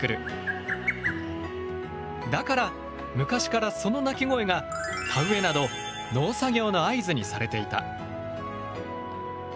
だから昔からその鳴き声が田植えなど農作業の合図にされていた。